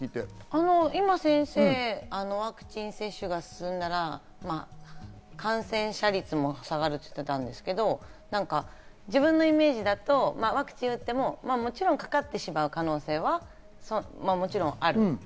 今、先生、ワクチン接種が進んだら感染者率も下がるっておっしゃってたんですけど、自分のイメージだと、ワクチンを打っても、もちろんかかってしまう可能性はもちろんある。